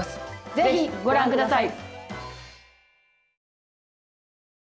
ぜひご覧下さい。